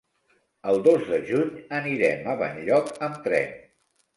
El dos de juny anirem a Benlloc amb tren.